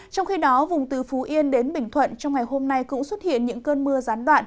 trong khi đó vùng từ phú yên đến bình thuận trong ngày hôm nay cũng xuất hiện những cơn mưa gián đoạn